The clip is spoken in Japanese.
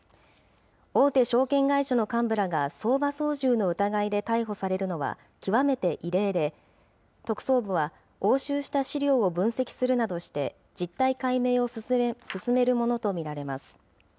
大手証券会社の幹部らが相場操縦の疑いで逮捕されるのは極めて異例で、特捜部は、押収した資料を分析するなどして、実態解明を進めるものと見られます。